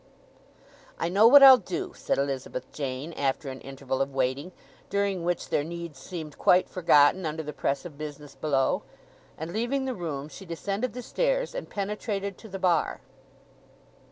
"I know what I'll do," said Elizabeth Jane after an interval of waiting, during which their needs seemed quite forgotten under the press of business below. And leaving the room, she descended the stairs and penetrated to the bar.